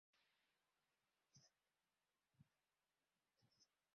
Appearing on the same bill were the bands Lighthouse and Cold Blood.